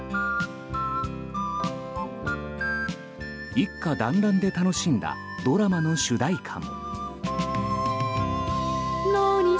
一家だんらんで楽しんだドラマの主題歌も。